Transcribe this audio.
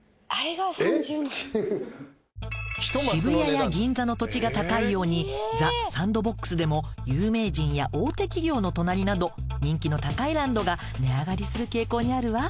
渋谷や銀座の土地が高いようにＴｈｅＳａｎｄｂｏｘでも有名人や大手企業の隣など人気の高いＬＡＮＤが値上がりする傾向にあるわ。